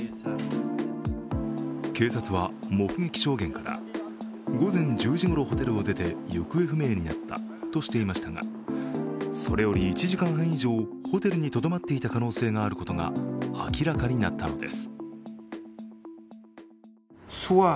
警察は目撃証言から午前１０時ごろホテルを出て行方不明になったとしていましたがそれより１時間半以上ホテルにとどまっていた可能性があることが明らかになったのです。